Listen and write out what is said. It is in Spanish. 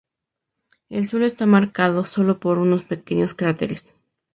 El suelo está marcado solo por unos pequeños cráteres.